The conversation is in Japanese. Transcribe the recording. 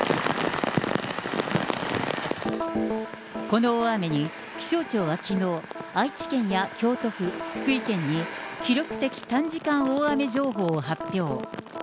この大雨に、気象庁はきのう、愛知県や京都府、福井県に、記録的短時間大雨情報を発表。